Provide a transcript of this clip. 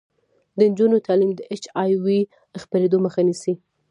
د نجونو تعلیم د اچ آی وي خپریدو مخه نیسي.